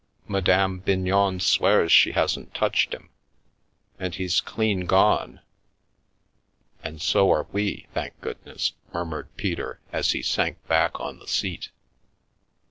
Madame Bignon swears she hasn't touched him ! And he's clean gone "" And so are we, thank goodness !" murmured Peter, as he sank back on the seat.